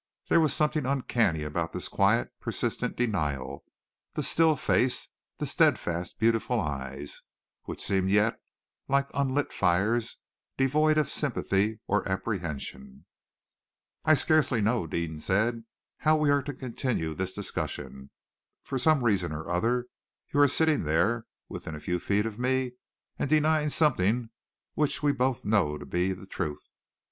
There was something uncanny about this quiet, persistent denial, the still face, the steadfast, beautiful eyes, which seemed yet like unlit fires devoid of sympathy or apprehension. "I scarcely know," Deane said, "how we are to continue this discussion. For some reason or other, you are sitting there within a few feet of me and denying something which we both know to be the truth.